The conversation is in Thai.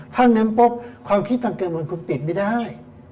ถ้าเน้นปุ๊บความคิดทางการเมืองคุณปิดไม่ได้